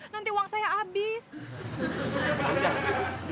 masak sepuluh ribu